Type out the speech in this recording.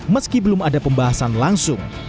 meski belum ada pembahasan langsung